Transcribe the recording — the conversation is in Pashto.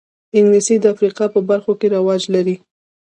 انګلیسي د افریقا په برخو کې رواج لري